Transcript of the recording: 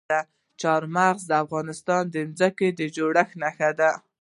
چار مغز د افغانستان د ځمکې د جوړښت نښه ده.